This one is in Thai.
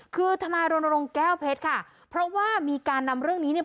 คือทนายรณรงค์แก้วเพชรค่ะเพราะว่ามีการนำเรื่องนี้เนี่ย